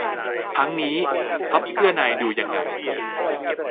ทั้งนี้ คัพเสื้อใน ดูยังไง